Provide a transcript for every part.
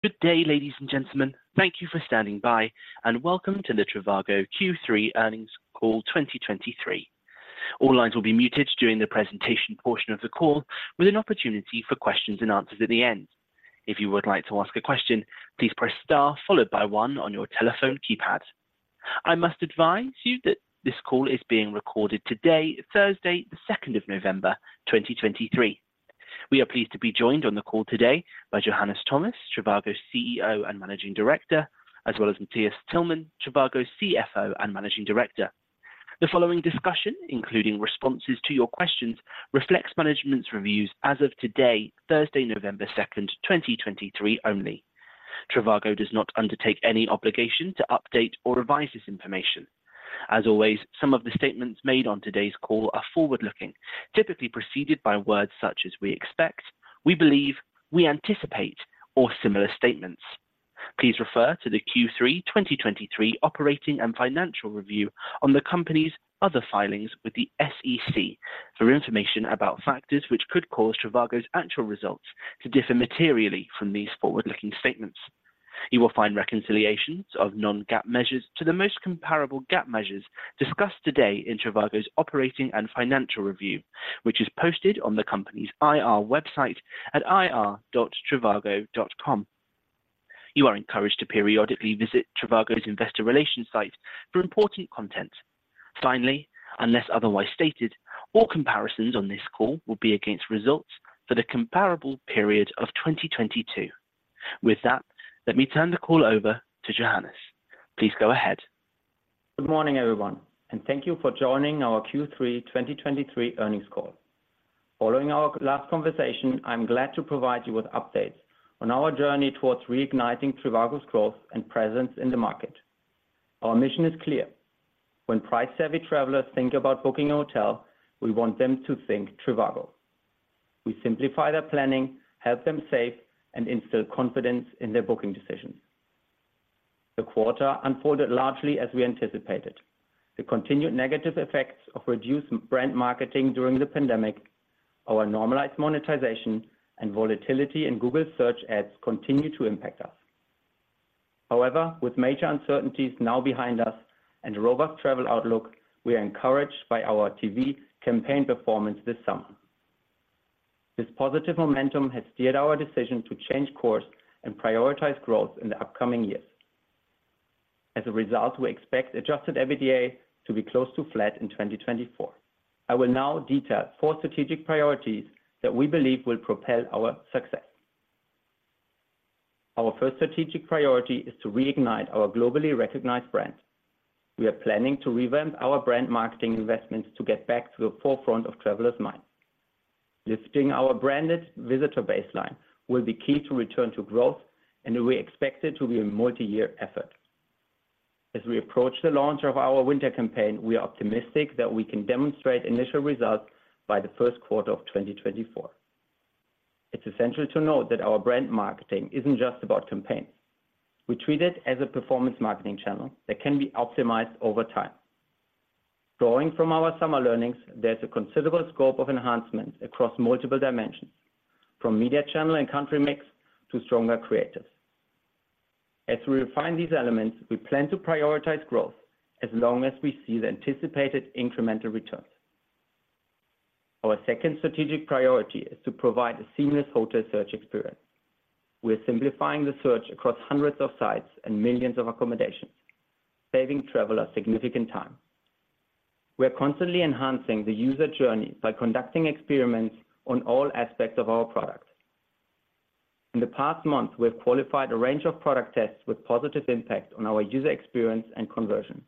Good day, ladies and gentlemen. Thank you for standing by, and welcome to the trivago Q3 earnings call 2023. All lines will be muted during the presentation portion of the call, with an opportunity for questions and answers at the end. If you would like to ask a question, please press star followed by one on your telephone keypad. I must advise you that this call is being recorded today, Thursday, the second of November, 2023. We are pleased to be joined on the call today by Johannes Thomas, trivago's CEO and Managing Director, as well as Matthias Tillmann, trivago's CFO and Managing Director. The following discussion, including responses to your questions, reflects management's reviews as of today, Thursday, November second, 2023 only. trivago does not undertake any obligation to update or revise this information. As always, some of the statements made on today's call are forward-looking, typically preceded by words such as "we expect," "we believe," "we anticipate," or similar statements. Please refer to the Q3 2023 operating and financial review on the company's other filings with the SEC for information about factors which could cause trivago's actual results to differ materially from these forward-looking statements. You will find reconciliations of non-GAAP measures to the most comparable GAAP measures discussed today in trivago's operating and financial review, which is posted on the company's IR website at ir.trivago.com. You are encouraged to periodically visit trivago's Investor Relations site for important content. Finally, unless otherwise stated, all comparisons on this call will be against results for the comparable period of 2022. With that, let me turn the call over to Johannes. Please go ahead. Good morning, everyone, and thank you for joining our Q3 2023 earnings call. Following our last conversation, I'm glad to provide you with updates on our journey towards reigniting trivago's growth and presence in the market. Our mission is clear: when price-savvy travelers think about booking a hotel, we want them to think trivago. We simplify their planning, help them save, and instill confidence in their booking decisions. The quarter unfolded largely as we anticipated. The continued negative effects of reduced brand marketing during the pandemic, our normalized monetization, and volatility in Google Search Ads continue to impact us. However, with major uncertainties now behind us and a robust travel outlook, we are encouraged by our TV campaign performance this summer. This positive momentum has steered our decision to change course and prioritize growth in the upcoming years. As a result, we expect Adjusted EBITDA to be close to flat in 2024. I will now detail four strategic priorities that we believe will propel our success. Our first strategic priority is to reignite our globally recognized brand. We are planning to revamp our brand marketing investments to get back to the forefront of travelers' minds. Lifting our branded visitor baseline will be key to return to growth, and we expect it to be a multi-year effort. As we approach the launch of our winter campaign, we are optimistic that we can demonstrate initial results by the Q1 of 2024. It's essential to note that our brand marketing isn't just about campaigns. We treat it as a performance marketing channel that can be optimized over time. Drawing from our summer learnings, there's a considerable scope of enhancement across multiple dimensions, from media channel and country mix to stronger creatives. As we refine these elements, we plan to prioritize growth as long as we see the anticipated incremental returns. Our second strategic priority is to provide a seamless hotel search experience. We are simplifying the search across hundreds of sites and millions of accommodations, saving travelers significant time. We are constantly enhancing the user journey by conducting experiments on all aspects of our product. In the past month, we have qualified a range of product tests with positive impact on our user experience and conversion.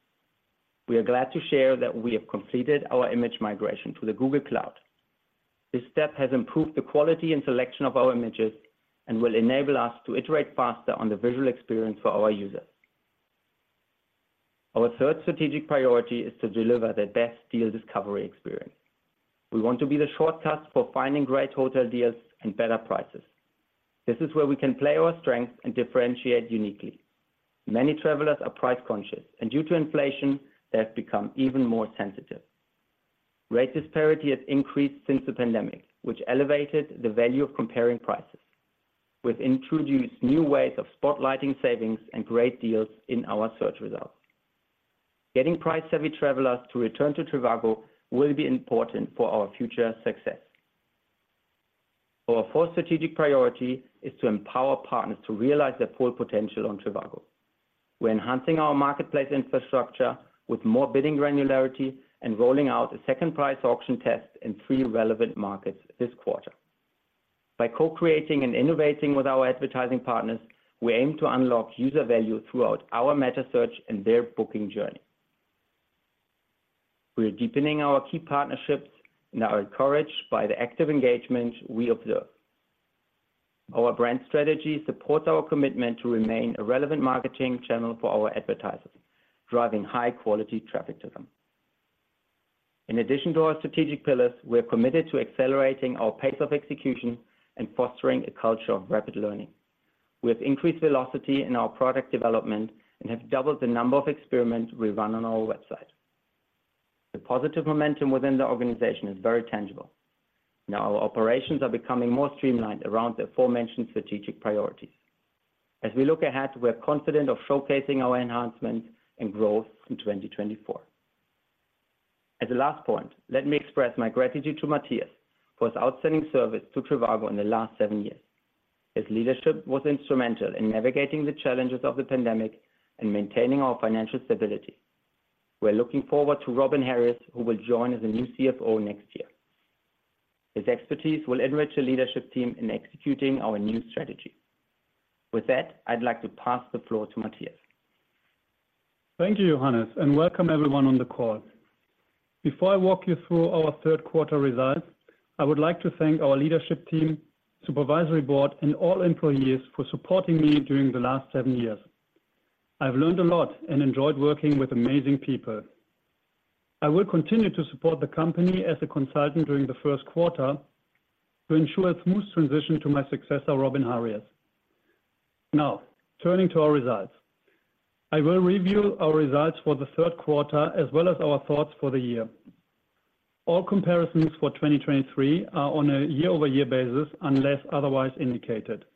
We are glad to share that we have completed our image migration to Google Cloud. This step has improved the quality and selection of our images and will enable us to iterate faster on the visual experience for our users. Our third strategic priority is to deliver the best deal discovery experience. We want to be the shortcut for finding great hotel deals and better prices. This is where we can play our strengths and differentiate uniquely. Many travelers are price-conscious, and due to inflation, they have become even more sensitive. Rate disparity has increased since the pandemic, which elevated the value of comparing prices. We've introduced new ways of spotlighting savings and great deals in our search results. Getting price-savvy travelers to return to trivago will be important for our future success. Our fourth strategic priority is to empower partners to realize their full potential on trivago. We're enhancing our marketplace infrastructure with more bidding granularity and rolling out a second-price auction test in three relevant markets this quarter. By co-creating and innovating with our advertising partners, we aim to unlock user value throughout our metasearch and their booking journey. We are deepening our key partnerships, and are encouraged by the active engagement we observe. Our brand strategy supports our commitment to remain a relevant marketing channel for our advertisers, driving high-quality traffic to them. In addition to our strategic pillars, we are committed to accelerating our pace of execution and fostering a culture of rapid learning. We have increased velocity in our product development and have doubled the number of experiments we run on our website.... The positive momentum within the organization is very tangible. Now our operations are becoming more streamlined around the aforementioned strategic priorities. As we look ahead, we are confident of showcasing our enhancements and growth in 2024. As a last point, let me express my gratitude to Matthias for his outstanding service to trivago in the last seven years. His leadership was instrumental in navigating the challenges of the pandemic and maintaining our financial stability. We are looking forward to Robin Harries, who will join as a new CFO next year. His expertise will enrich the leadership team in executing our new strategy. With that, I'd like to pass the floor to Matthias. Thank you, Johannes, and welcome everyone on the call. Before I walk you through our Q3 results, I would like to thank our leadership team, supervisory board, and all employees for supporting me during the last seven years. I've learned a lot and enjoyed working with amazing people. I will continue to support the company as a consultant during the Q1 to ensure a smooth transition to my successor, Robin Harries. Now, turning to our results. I will review our results for the Q3, as well as our thoughts for the year. All comparisons for 2023 are on a year-over-year basis, unless otherwise indicated.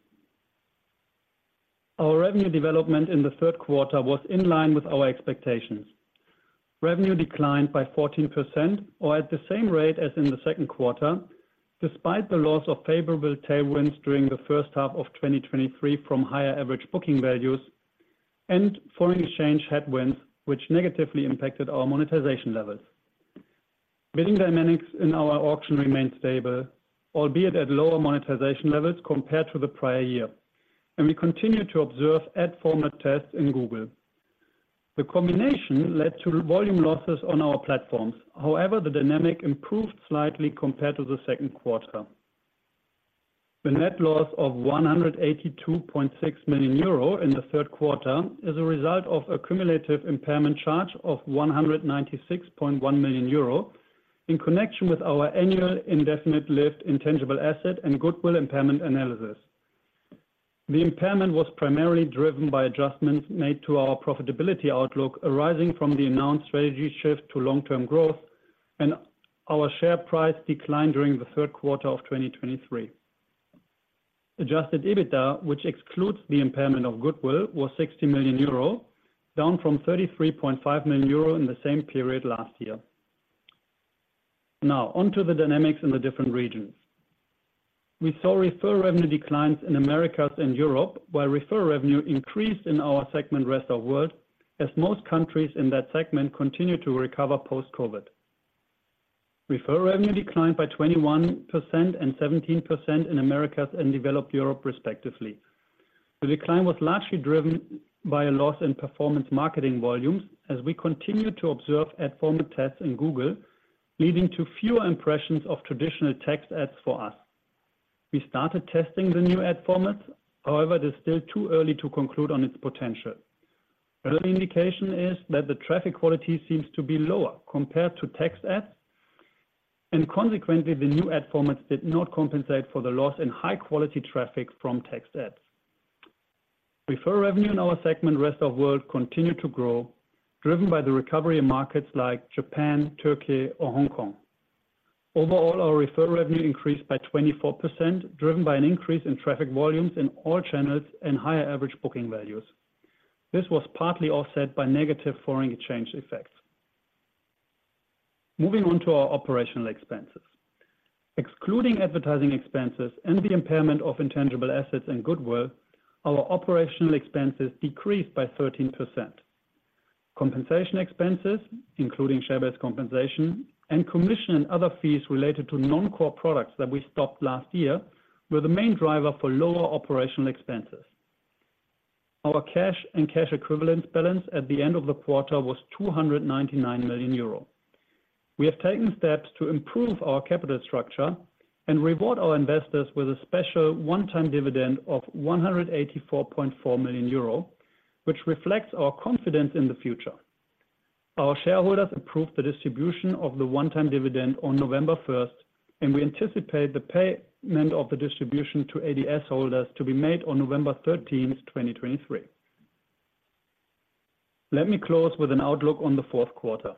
Our revenue development in the Q3 was in line with our expectations. Revenue declined by 14%, or at the same rate as in the Q2, despite the loss of favorable tailwinds during the first half of 2023 from higher average booking values and foreign exchange headwinds, which negatively impacted our monetization levels. Bidding dynamics in our auction remained stable, albeit at lower monetization levels compared to the prior year, and we continue to observe ad format tests in Google. The combination led to volume losses on our platforms. However, the dynamic improved slightly compared to the Q2. The net loss of 182.6 million euro in the Q3 is a result of a cumulative impairment charge of 196.1 million euro in connection with our annual indefinite lived intangible asset and goodwill impairment analysis. The impairment was primarily driven by adjustments made to our profitability outlook, arising from the announced strategy shift to long-term growth, and our share price declined during the Q3 of 2023. Adjusted EBITDA, which excludes the impairment of goodwill, was 60 million euro, down from 33.5 million euro in the same period last year. Now, on to the dynamics in the different regions. We saw refer revenue declines in Americas and Europe, while refer revenue increased in our segment, Rest of World, as most countries in that segment continued to recover post-COVID. Refer revenue declined by 21% and 17% in Americas and Developed Europe respectively. The decline was largely driven by a loss in performance marketing volumes as we continued to observe ad format tests in Google, leading to fewer impressions of traditional text ads for us. We started testing the new ad format, however, it is still too early to conclude on its potential. Early indication is that the traffic quality seems to be lower compared to text ads, and consequently, the new ad formats did not compensate for the loss in high-quality traffic from text ads. Refer revenue in our segment, Rest of World, continued to grow, driven by the recovery in markets like Japan, Turkey, or Hong Kong. Overall, our refer revenue increased by 24%, driven by an increase in traffic volumes in all channels and higher average booking values. This was partly offset by negative foreign exchange effects. Moving on to our operational expenses. Excluding advertising expenses and the impairment of intangible assets and goodwill, our operational expenses decreased by 13%. Compensation expenses, including share-based compensation and commission and other fees related to non-core products that we stopped last year, were the main driver for lower operational expenses. Our cash and cash equivalent balance at the end of the quarter was 299 million euro. We have taken steps to improve our capital structure and reward our investors with a special one-time dividend of 184.4 million euro, which reflects our confidence in the future. Our shareholders approved the distribution of the one-time dividend on November 1, and we anticipate the payment of the distribution to ADS holders to be made on November 13, 2023. Let me close with an outlook on the Q4.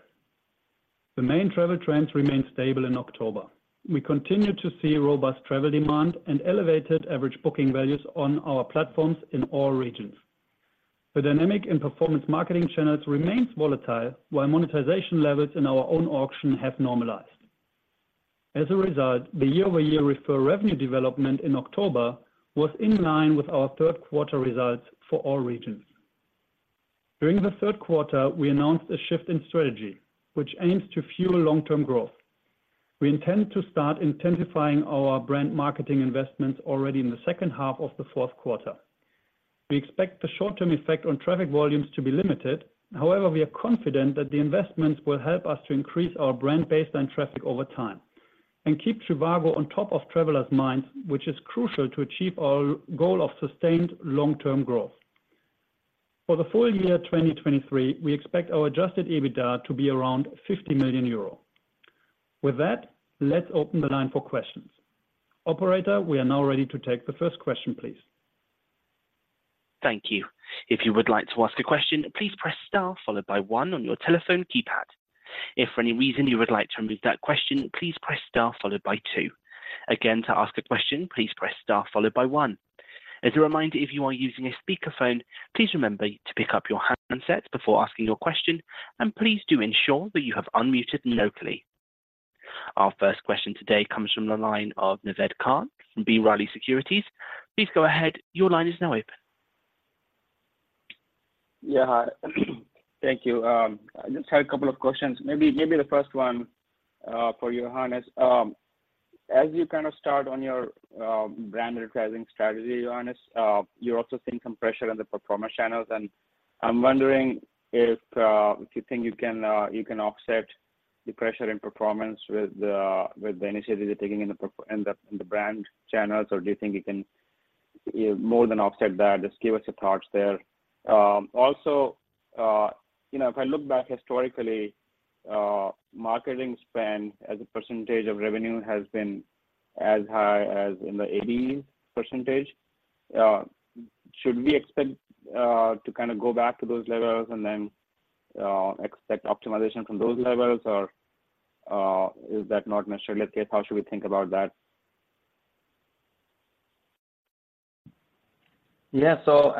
The main travel trends remained stable in October. We continued to see robust travel demand and elevated average booking values on our platforms in all regions. The dynamic and performance marketing channels remains volatile, while monetization levels in our own auction have normalized. As a result, the year-over-year refer revenue development in October was in line with our Q3 results for all regions. During the Q3, we announced a shift in strategy, which aims to fuel long-term growth. We intend to start intensifying our brand marketing investments already in the second half of the Q4. We expect the short-term effect on traffic volumes to be limited. However, we are confident that the investments will help us to increase our brand base and traffic over time, and keep trivago on top of travelers' minds, which is crucial to achieve our goal of sustained long-term growth. For the full year 2023, we expect our Adjusted EBITDA to be around 50 million euro. With that, let's open the line for questions. Operator, we are now ready to take the first question, please. ... Thank you. If you would like to ask a question, please press star followed by one on your telephone keypad. If for any reason you would like to remove that question, please press star followed by two. Again, to ask a question, please press star followed by one. As a reminder, if you are using a speakerphone, please remember to pick up your handset before asking your question, and please do ensure that you have unmuted locally. Our first question today comes from the line of Naved Khan from B. Riley Securities. Please go ahead. Your line is now open. Yeah. Thank you. I just had a couple of questions. Maybe the first one for Johannes. As you kind of start on your brand advertising strategy, Johannes, you're also seeing some pressure on the performance channels, and I'm wondering if you think you can offset the pressure and performance with the initiatives you're taking in the brand channels, or do you think you can more than offset that? Just give us your thoughts there. Also, you know, if I look back historically, marketing spend as a percentage of revenue has been as high as in the 80%. Should we expect to kind of go back to those levels and then expect optimization from those levels, or is that not necessarily the case? How should we think about that? Yeah. So,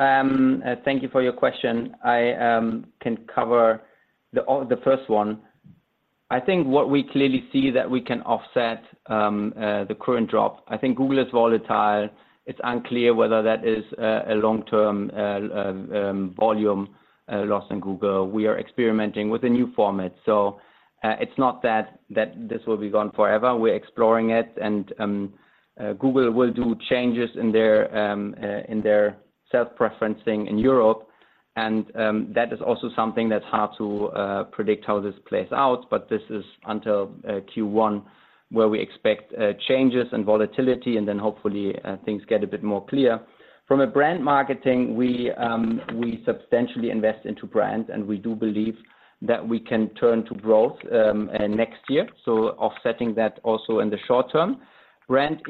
thank you for your question. I can cover the first one. I think what we clearly see that we can offset the current drop. I think Google is volatile. It's unclear whether that is a long-term volume loss in Google. We are experimenting with a new format. So, it's not that this will be gone forever. We're exploring it, and Google will do changes in their self-preferencing in Europe, and that is also something that's hard to predict how this plays out, but this is until Q1, where we expect changes and volatility, and then hopefully things get a bit more clear. From a brand marketing, we substantially invest into brand, and we do believe that we can turn to growth next year, so offsetting that also in the short term. Brand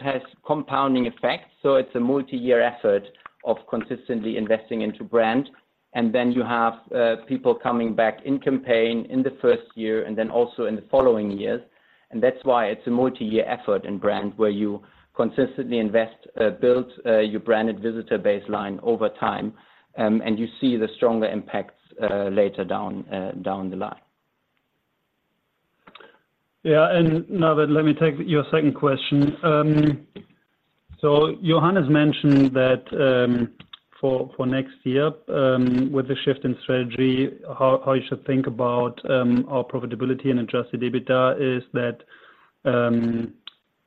has compounding effects, so it's a multi-year effort of consistently investing into brand. And then you have people coming back in campaign in the first year and then also in the following years. And that's why it's a multi-year effort in brand, where you consistently invest, build your branded visitor baseline over time, and you see the stronger impacts later down the line. Yeah, and Naved, let me take your second question. So Johannes mentioned that, for next year, with the shift in strategy, how you should think about our profitability and Adjusted EBITDA is that,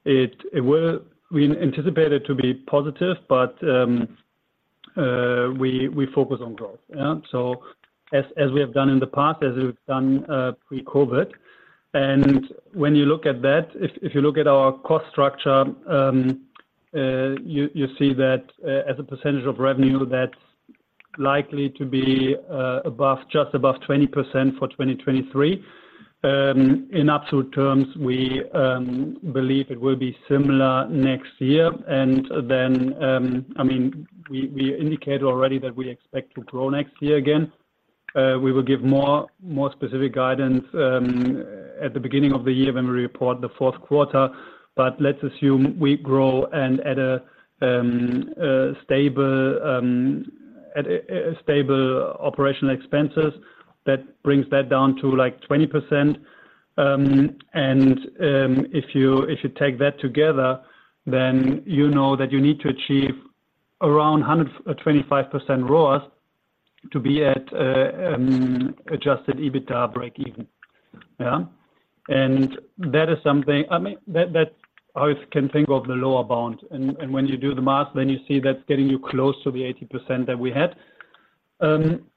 it will—we anticipate it to be positive, but we focus on growth. Yeah. So as we have done in the past, as we've done, pre-COVID, and when you look at that, if you look at our cost structure, you see that as a percentage of revenue, that's likely to be above, just above 20% for 2023. In absolute terms, we believe it will be similar next year. And then, I mean, we indicate already that we expect to grow next year again. We will give more specific guidance at the beginning of the year when we report the Q4. But let's assume we grow and at a stable operational expenses, that brings that down to, like, 20%. And if you take that together, then you know that you need to achieve around 125% ROAS to be at Adjusted EBITDA break even. Yeah? And that is something... I mean, that I can think of the lower bound, and when you do the math, then you see that's getting you close to the 80% that we had.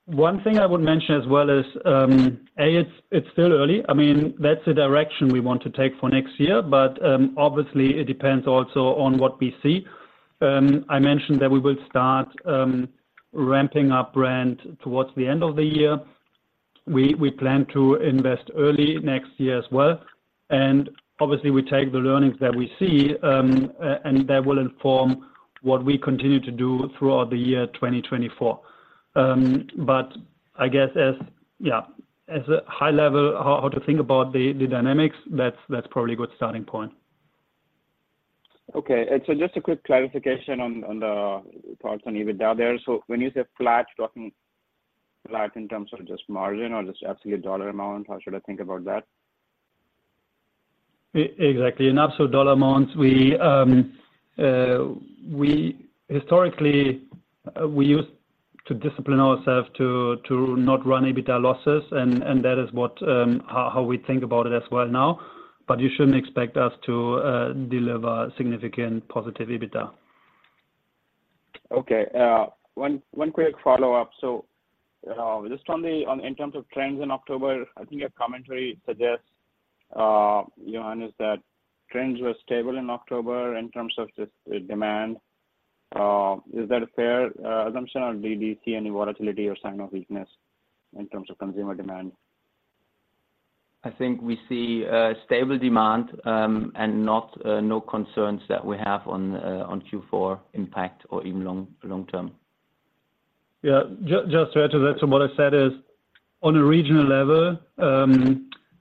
One thing I would mention as well is, it's still early. I mean, that's the direction we want to take for next year, but obviously, it depends also on what we see. I mentioned that we will start ramping up brand towards the end of the year. We plan to invest early next year as well, and obviously, we take the learnings that we see, and that will inform what we continue to do throughout the year 2024. But I guess as a high level, how to think about the dynamics, that's probably a good starting point. Okay. And so just a quick clarification on the thoughts on EBITDA there. So when you say flat, you're talking flat in terms of just margin or just absolute dollar amount? How should I think about that? Exactly. In absolute dollar amounts, we, we historically, we used to discipline ourselves to, to not run EBITDA losses, and, and that is what, how, how we think about it as well now, but you shouldn't expect us to, deliver significant positive EBITDA. Okay, one quick follow-up. So, just on in terms of trends in October, I think your commentary suggests, Johannes, that trends were stable in October in terms of just the demand. Is that a fair assumption, or do you see any volatility or sign of weakness in terms of consumer demand? ... I think we see stable demand, and no concerns that we have on Q4 impact or even long-term. Yeah. Just to add to that, so what I said is on a regional level,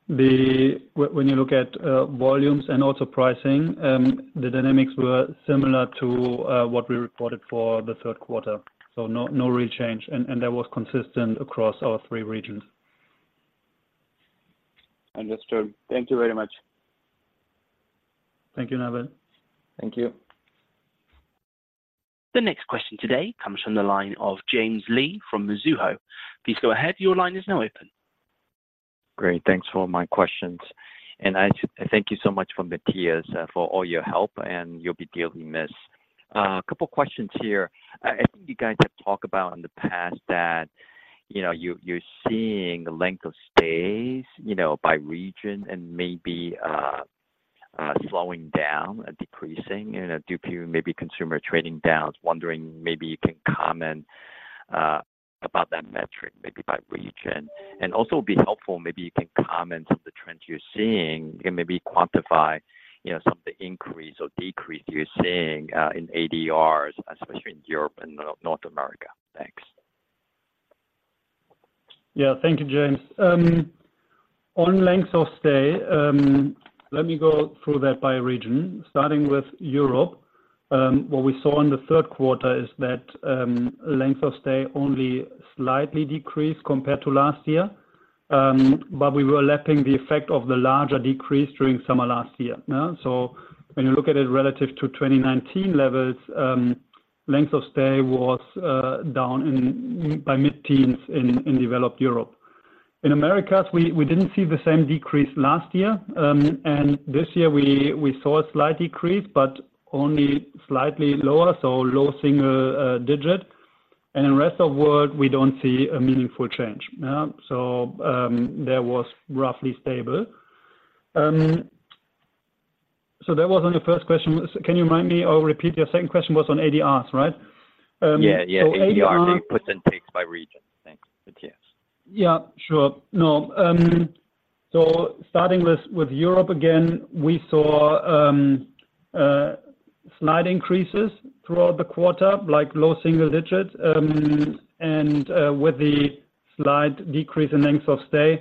when you look at volumes and also pricing, the dynamics were similar to what we reported for the Q3. So no real change, and that was consistent across all three regions. Understood. Thank you very much. Thank you, Naved. Thank you. The next question today comes from the line of James Lee from Mizuho. Please go ahead. Your line is now open. Great. Thanks for all my questions, and thank you so much for Matthias, for all your help, and you'll be dearly missed. A couple questions here. I think you guys have talked about in the past that, you know, you're, you're seeing the length of stays, you know, by region and maybe slowing down or decreasing, you know, due to maybe consumer trading down. I was wondering, maybe you can comment about that metric, maybe by region. And also it'd be helpful, maybe you can comment on the trends you're seeing and maybe quantify, you know, some of the increase or decrease you're seeing in ADRs, especially in Europe and North America. Thanks. Yeah. Thank you, James. On length of stay, let me go through that by region, starting with Europe. What we saw in the Q3 is that, length of stay only slightly decreased compared to last year, but we were lapping the effect of the larger decrease during summer last year, yeah? So when you look at it relative to 2019 levels, length of stay was down by mid-teens in Developed Europe. In Americas, we didn't see the same decrease last year. And this year we saw a slight decrease, but only slightly lower, so low single digit. And in Rest of World, we don't see a meaningful change, yeah? So, that was roughly stable. So that was on the first question. Can you remind me or repeat? Your second question was on ADRs, right? So ADR- Yeah. Yeah, ADR puts and takes by region. Thanks, Matthias. Yeah, sure. No, so starting with Europe, again, we saw slight increases throughout the quarter, like low single digits, and with the slight decrease in length of stay,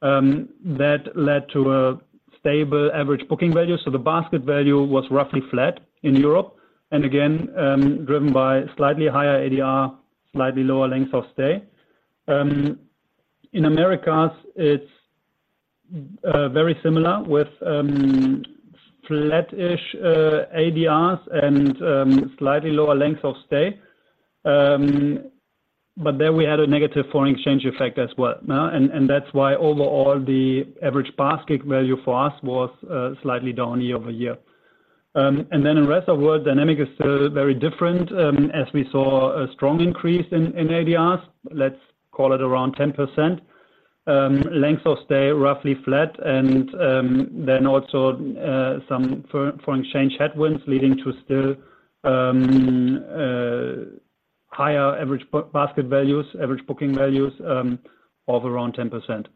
that led to a stable average booking value. So the basket value was roughly flat in Europe, and again, driven by slightly higher ADR, slightly lower length of stay. In Americas, it's very similar with flat-ish ADRs and slightly lower length of stay. But there we had a negative foreign exchange effect as well, yeah? And that's why overall, the average basket value for us was slightly down year-over-year. And then in Rest of World, dynamic is still very different, as we saw a strong increase in ADRs, let's call it around 10%. Length of stay, roughly flat, and then also some foreign exchange headwinds leading to still higher average booking values of around 10%.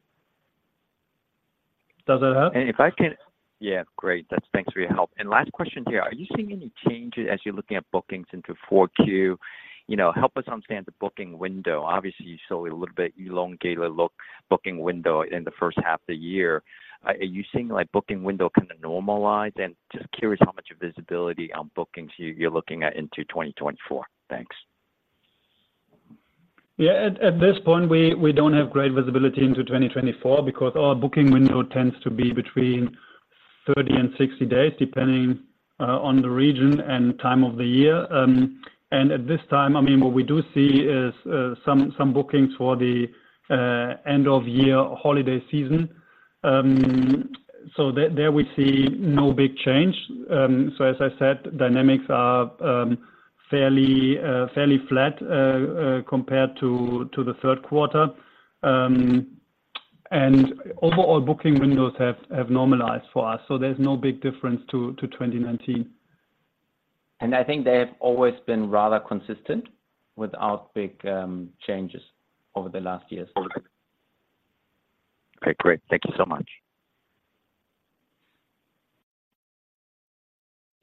Does that help? Yeah, great. That's thanks for your help. And last question here: Are you seeing any changes as you're looking at bookings into Q4? You know, help us understand the booking window. Obviously, you saw a little bit elongated booking window in the first half of the year. Are you seeing, like, booking window kind of normalize? And just curious how much visibility on bookings you, you're looking at into 2024. Thanks. Yeah. At this point, we don't have great visibility into 2024 because our booking window tends to be between 30 and 60 days, depending on the region and time of the year. And at this time, I mean, what we do see is some bookings for the end-of-year holiday season. So there we see no big change. So as I said, dynamics are fairly flat compared to the Q3. And overall booking windows have normalized for us, so there's no big difference to 2019. I think they have always been rather consistent without big changes over the last years. Okay. Okay, great. Thank you so much.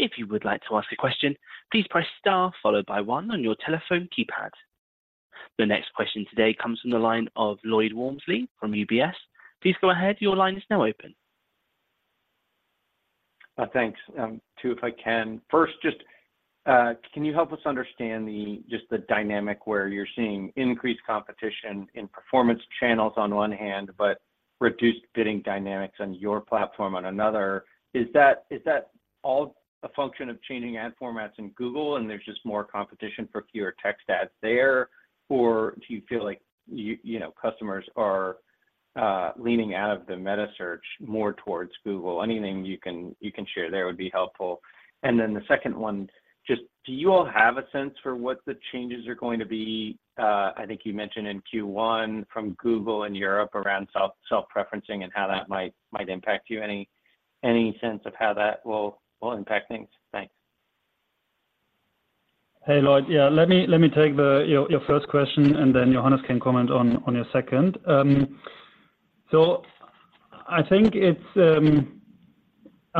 If you would like to ask a question, please press star followed by one on your telephone keypad. The next question today comes from the line of Lloyd Walmsley from UBS. Please go ahead. Your line is now open. Thanks. Two if I can. First, just can you help us understand the just the dynamic where you're seeing increased competition in performance channels on one hand, but reduced bidding dynamics on your platform on another? Is that all a function of changing ad formats in Google, and there's just more competition for fewer text ads there? Or do you feel like you know customers are leaning out of the metasearch more towards Google? Anything you can share there would be helpful. And then the second one, just do you all have a sense for what the changes are going to be, I think you mentioned in Q1 from Google in Europe around self-preferencing and how that might impact you? Any sense of how that will impact things? Thanks.... Hey, Lloyd. Yeah, let me take your first question, and then Johannes can comment on your second. So I think it's, I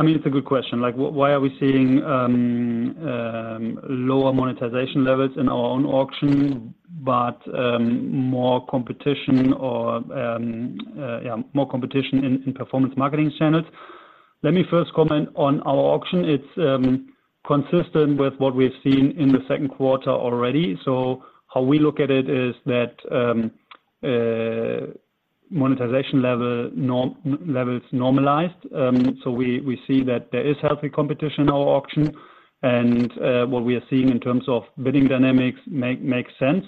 mean, it's a good question. Like, why are we seeing lower monetization levels in our own auction, but more competition or, yeah, more competition in performance marketing channels? Let me first comment on our auction. It's consistent with what we've seen in the Q2 already. So how we look at it is that monetization levels normalized. So we see that there is healthy competition in our auction, and what we are seeing in terms of bidding dynamics makes sense.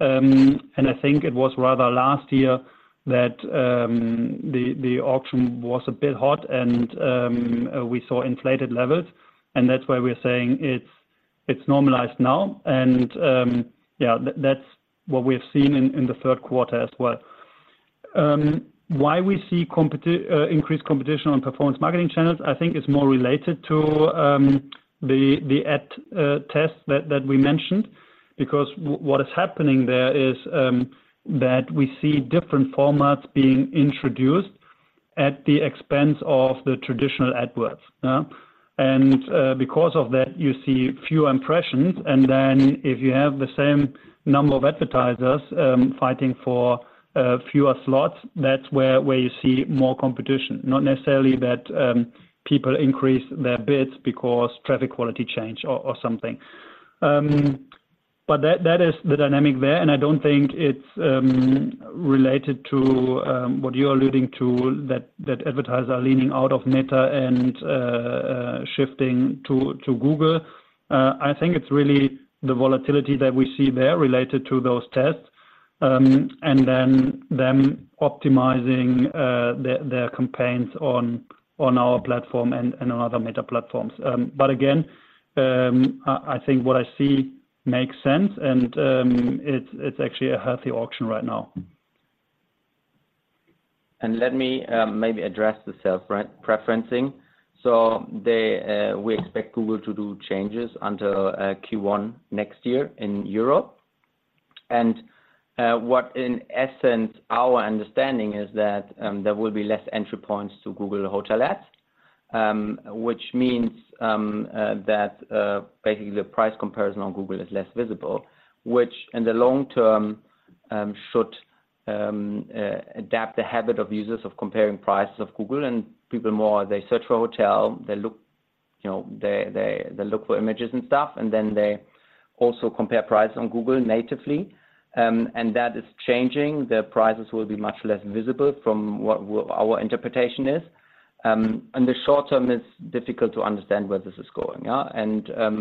I think it was rather last year that the auction was a bit hot, and we saw inflated levels, and that's why we're saying it's normalized now. Yeah, that's what we have seen in the Q3 as well. Why we see increased competition on performance marketing channels, I think is more related to the ad test that we mentioned. Because what is happening there is that we see different formats being introduced at the expense of the traditional AdWords. And because of that, you see fewer impressions, and then if you have the same number of advertisers fighting for fewer slots, that's where you see more competition. Not necessarily that people increase their bids because traffic quality change or something. But that is the dynamic there, and I don't think it's related to what you're alluding to, that advertisers are leaning out of Meta and shifting to Google. I think it's really the volatility that we see there related to those tests, and then them optimizing their campaigns on our platform and on other Meta platforms. But again, I think what I see makes sense, and it's actually a healthy auction right now. Let me maybe address the self-preferencing. We expect Google to do changes under Q1 next year in Europe. What in essence, our understanding is that there will be less entry points to Google Hotel Ads, which means that basically the price comparison on Google is less visible, which in the long term should adapt the habit of users of comparing prices of Google and people more. They search for a hotel, they look, you know, they look for images and stuff, and then they also compare prices on Google natively. And that is changing. The prices will be much less visible from what our interpretation is. In the short term, it's difficult to understand where this is going, yeah.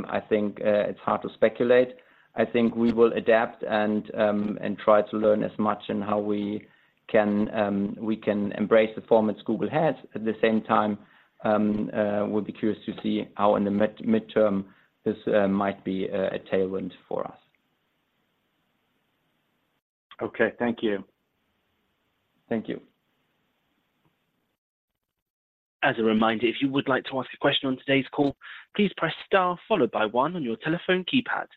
I think it's hard to speculate. I think we will adapt and try to learn as much in how we can embrace the formats Google has. At the same time, we'll be curious to see how in the midterm this might be a tailwind for us. Okay. Thank you. Thank you. As a reminder, if you would like to ask a question on today's call, please press Star followed by one on your telephone keypad.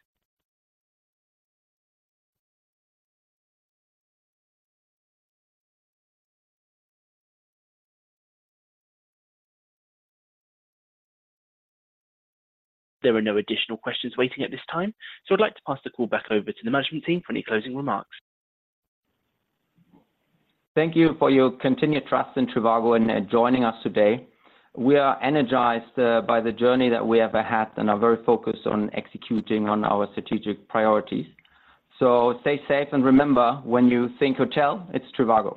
There are no additional questions waiting at this time, so I'd like to pass the call back over to the management team for any closing remarks. Thank you for your continued trust in trivago and joining us today. We are energized by the journey that we ever had and are very focused on executing on our strategic priorities. So stay safe, and remember, when you think hotel, it's trivago.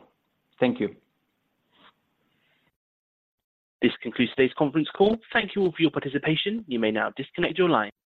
Thank you. This concludes today's conference call. Thank you all for your participation. You may now disconnect your line.